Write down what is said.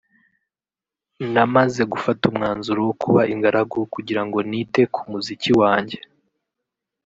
« Namaze gufata umwanzuro wo kuba ingaragu kugira ngo nite ku muziki wanjye